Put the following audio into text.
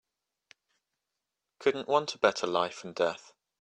Couldn't want a better life and death.